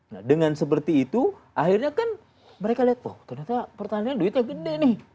nah dengan seperti itu akhirnya kan mereka lihat wah ternyata pertanian duitnya gede nih